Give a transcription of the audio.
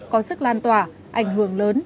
có sức lan tỏa ảnh hưởng lớn